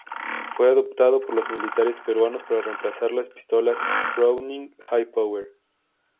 Fue adoptado por los militares peruanos para reemplazar las pistolas Browning Hi-Power.